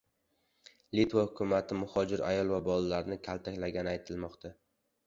Litva hukumati muhojir ayol va bolalarni kaltaklatgani aytilmoqda